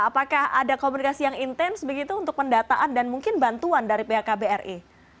apakah ada komunikasi yang intens begitu untuk pendataan dan mungkin bantuan dari pihak kbri